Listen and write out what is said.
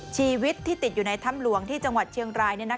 ชีวิตที่ติดอยู่ในถ้ำหลวงที่จังหวัดเชียงราย